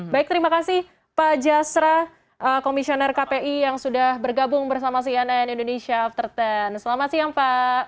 baik terima kasih pak jasra komisioner kpi yang sudah bergabung bersama cnn indonesia after sepuluh selamat siang pak